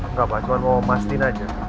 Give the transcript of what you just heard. nggak pak cuma mau mastiin aja